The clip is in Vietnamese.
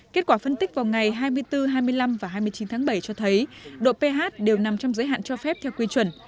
kết quả phân tích vào ngày hai mươi bốn hai mươi năm và hai mươi chín tháng bảy cho thấy độ ph đều nằm trong giới hạn cho phép theo quy chuẩn